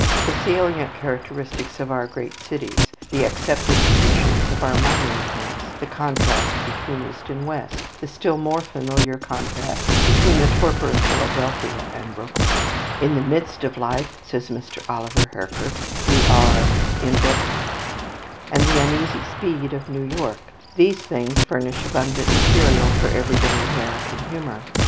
The salient characteristics of our great cities, the accepted traditions of our mining camps, the contrast between East and West, the still more familiar contrast between the torpor of Philadelphia and Brooklyn ("In the midst of life," says Mr. Oliver Herford, "we are in Brooklyn") and the uneasy speed of New York, these things furnish abundant material for everyday American humour.